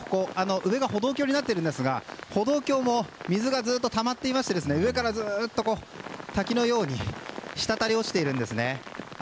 上は歩道橋になっているんですが歩道橋も水がずっと溜まっていまして上からずっと滝のように滴り落ちています。